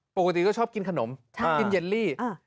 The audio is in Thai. ปกติก็ชอบกินขนมใช่อ่ากินเยลลี่อ่า